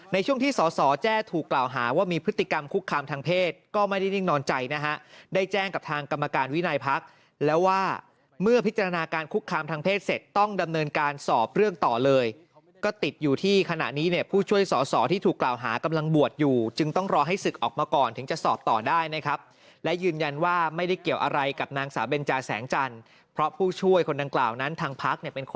ในช่วงที่สสแจ้ถูกกล่าวหาว่ามีพฤติกรรมคุกคามทางเพศก็ไม่ได้นิ่งนอนใจนะฮะได้แจ้งกับทางกรรมการวินัยพักษณ์แล้วว่าเมื่อพิจารณาการคุกคามทางเพศเสร็จต้องดำเนินการสอบเรื่องต่อเลยก็ติดอยู่ที่ขณะนี้เนี่ยผู้ช่วยสสที่ถูกกล่าวหากำลังบวชอยู่จึงต้องรอให้ศึกออกมาก่อนถึงจะสอ